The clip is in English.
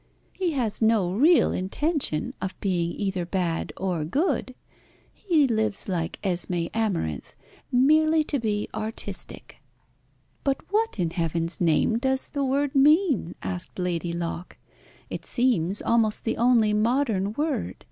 "He has no real intention of being either bad or good. He lives like Esmé Amarinth, merely to be artistic." "But what in Heaven's name does that word mean?" asked Lady Locke. "It seems almost the only modern word.